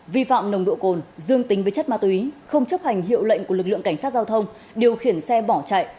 vi phạm nồng độ cồn dương tính với chất ma túy không chấp hành hiệu lệnh của lực lượng cảnh sát giao thông điều khiển xe bỏ chạy